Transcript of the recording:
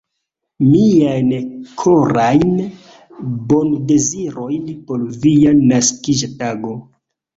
Miajn korajn bondezirojn por via naskiĝa tago!